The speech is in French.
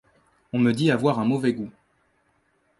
On me dis avoir un mauvais goût